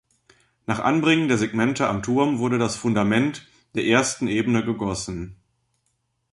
Nach Anbringen der Segmente am Turm wurde das „Fundament“ der ersten Ebene gegossen.